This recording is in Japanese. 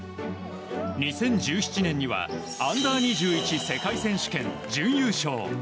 ２０１７年にはＵ‐２１世界選手権準優勝。